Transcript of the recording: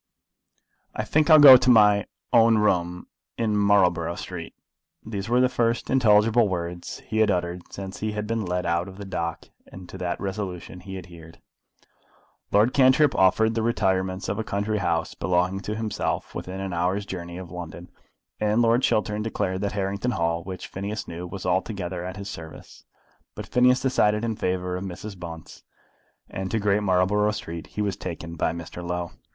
"I think I'll go to my own room in Marlborough Street." These were the first intelligible words he had uttered since he had been led out of the dock, and to that resolution he adhered. Lord Cantrip offered the retirements of a country house belonging to himself within an hour's journey of London, and Lord Chiltern declared that Harrington Hall, which Phineas knew, was altogether at his service, but Phineas decided in favour of Mrs. Bunce, and to Great Marlborough Street he was taken by Mr. Low.